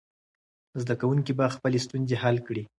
زده کوونکي به خپلې ستونزې حل کړي.